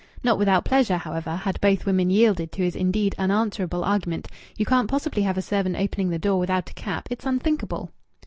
Not without pleasure, however, had both women yielded to his indeed unanswerable argument: "You can't possibly have a servant opening the door without a cap. It's unthinkable."